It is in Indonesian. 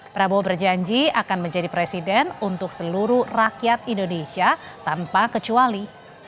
prabowo berjanji akan menjadi presiden untuk seluruh rakyat indonesia tanpa kecuali